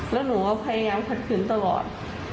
แล้วหนูว่าไปงานผัดขึ้นตลอด